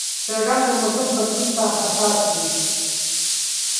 چرګان د موسم بدلون ته حساس دي.